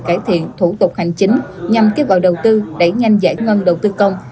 cải thiện thủ tục hành chính nhằm kế hoạch đầu tư đẩy nhanh giải ngân đầu tư công